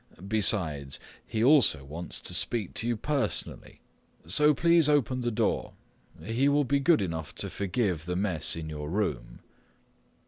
Besides, he also wants to speak to you personally. So please open the door. He will be good enough to forgive the mess in your room."